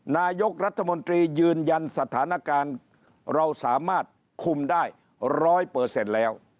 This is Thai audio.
นายกรัฐมนตรียืนยันสถานการณ์เราสามารถคุมได้ร้อยเปอร์เซ็นต์แล้ว